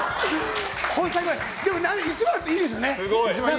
でも、１番っていいですよね。